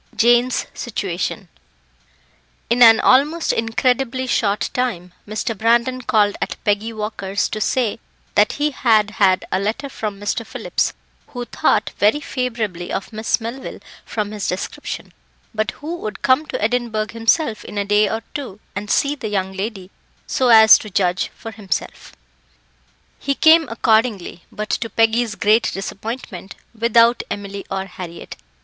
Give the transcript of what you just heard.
Jane's Situation In an almost incredibly short time, Mr. Brandon called at Peggy Walker's to say that he had had a letter from Mr. Phillips, who thought very favourably of Miss Melville from his description, but who would come to Edinburgh himself in a day or two and see the young lady, so as to judge for himself. He came accordingly, but, to Peggy's great disappointment, without Emily or Harriett.